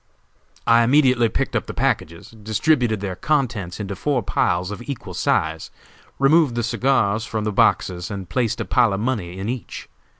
I immediately picked up the packages, distributed their contents into four piles of equal size, removed the cigars from the boxes, and placed a pile of money in each.